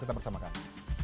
tetap bersama kami